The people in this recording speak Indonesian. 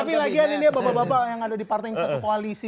tapi lagian ini dia bapak bapak yang ada di partai yang satu koalisi